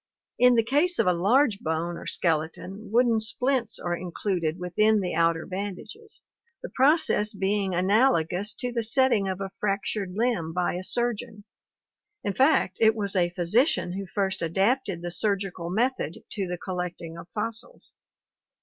In the case of a large bone or skeleton, wooden splints are included within the outer bandages, the process being analogous to the set ting of a fractured limb by a surgeon; in fact, it was a physician who first adapted the surgical method to the collecting of fossils.